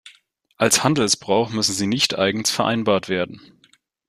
Als Handelsbrauch müssen sie nicht eigens vereinbart werden.